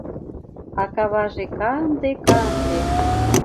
А каваже канде-канде –